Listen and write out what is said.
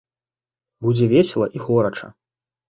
Будзе весела і горача!